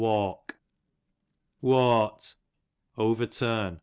Wawt, overturn.